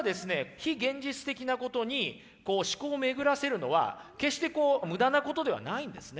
非現実的なことに思考を巡らせるのは決して無駄なことではないんですね。